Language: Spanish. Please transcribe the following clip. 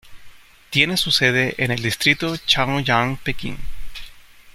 Tiene su sede en el distrito Chaoyang, Pekín.